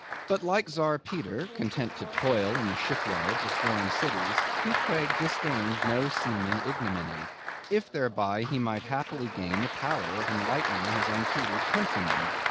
But like Czar Peter content to toil in the shipyards of foreign cities, Queequeg disdained no seeming ignominy, if thereby he might happily gain the power of enlightening his untutored countrymen.